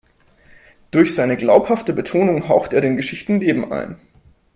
Durch seine glaubhafte Betonung haucht er den Geschichten Leben ein.